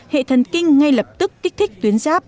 hệ thần kinh ngay lập tức kích thích tuyến giáp